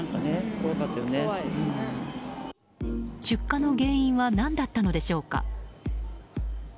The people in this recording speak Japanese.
出火の原因は何だったのでしょうか。